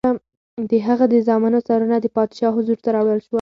د هغه د زامنو سرونه د پادشاه حضور ته راوړل شول.